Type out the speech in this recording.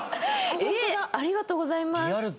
えっありがとうございます。